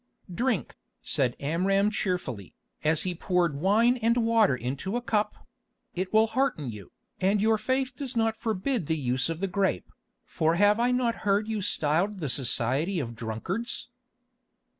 "Drink," said Amram cheerfully, as he poured wine and water into a cup; "it will hearten you, and your faith does not forbid the use of the grape, for have I not heard you styled the society of drunkards?"